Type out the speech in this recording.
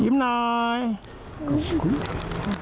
ยิ้มหน่อยขอบคุณค่ะ